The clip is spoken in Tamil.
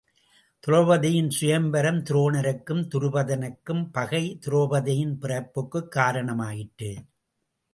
திரெளபதியின் சுயம்வரம் துரோணனுக்கும் துருபதனுக்கும் பகை திரெளபதியின் பிறப்புக்குக் காரணம் ஆயிற்று.